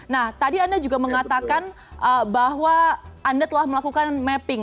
nah tadi anda juga mengatakan bahwa anda telah melakukan mapping